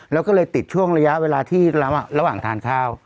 แล้วก็เลยติดช่วงระยะเวลาที่ระหว่างทานข้าว